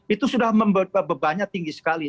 itu sudah bebannya tinggi sekali